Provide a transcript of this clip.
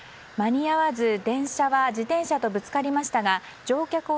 間に合わず電車は自転車とぶつかりましたが乗客